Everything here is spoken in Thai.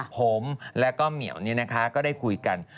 ผมและก็เหมียวนี้นะคะก็ได้คุยกัน